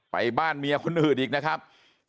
ไปบ้านเมียคนอื่นอีกนะครับ